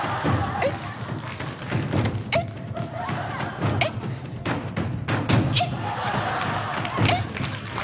えっ？えっ？えっ？えっ？